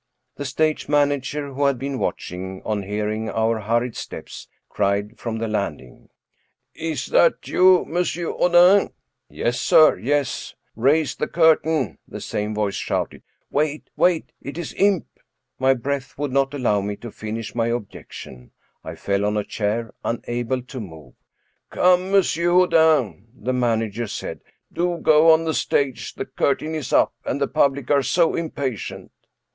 < The stage manager, who had been watching, on hearing our hurried steps, cried from the landing: " Is that you, M. Houdin ?"" Yes, sir — ^yes." " Raise the curtain 1 " the same voice shouted* " Wait, wait, it is imp " My breath would not allow me to finish my objection; I fell on a chair, unable to move. " Come, M. Houdin," the manager said, " do go on the stage, the curtain is up, and the public are so impatient."